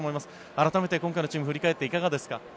改めて今回のチーム振り返っていかがですか？